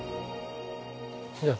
じゃあ。